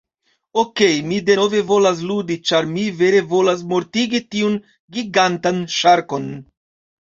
Okej, mi denove volas ludi, ĉar mi vere volas mortigi tiun gigantan ŝarkon.